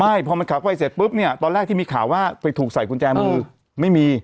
ใช่พอมันขับไปเสร็จปุ๊บเนี่ยตอนแรกที่มีข่าวว่าไปถูกใส่กุญแจมือไม่มี